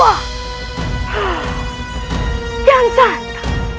ah jangan saja